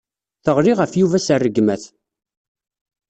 Teɣli ɣef Yuba s rregmat.